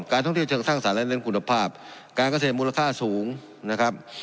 การที่จะสร้างสารและเรียนคุณภาพการเกษตรมูลค่าสูงนะครับ